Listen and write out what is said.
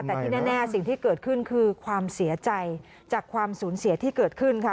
แต่ที่แน่สิ่งที่เกิดขึ้นคือความเสียใจจากความสูญเสียที่เกิดขึ้นค่ะ